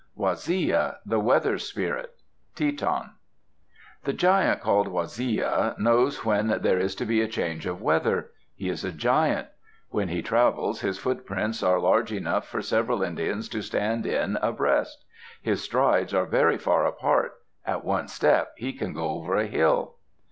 WAZIYA, THE WEATHER SPIRIT Teton The giant called Waziya knows when there is to be a change of weather. He is a giant. When he travels, his footprints are large enough for several Indians to stand in abreast. His strides are very far apart; at one step he can go over a hill.